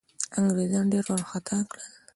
انګرېزان ډېر وارخطا کړل.